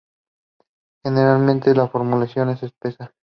Generalmente la formulación se espesa.